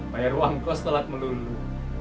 bayar uang kau setelah melulu